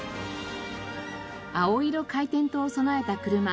青色回転灯を備えた車